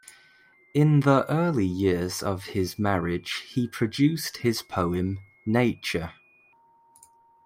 In the early years of his marriage he produced his poem, "Nature".